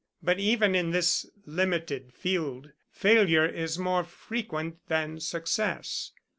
But even in this limited field failure is more frequent than success.